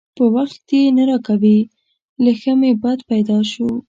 په وخت یې نه راکوي؛ له ښه مې بد پیدا شو.